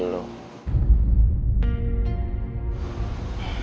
soal citra geng sergala yang masih nempel di lo